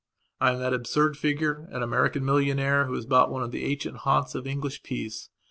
I am that absurd figure, an American millionaire, who has bought one of the ancient haunts of English peace.